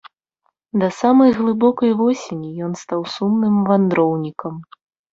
Да самай глыбокай восені ён стаў сумным вандроўнікам.